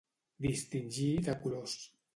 Distingir de colors.